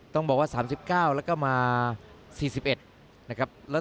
ต้องบอกว่า๓๙แล้วก็มา๔๑นะครับ